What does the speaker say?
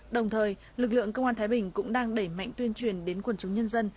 đồng thời lực lượng công an thái bình cũng đang đẩy mạnh tuyên truyền đến quần chúng nhân dân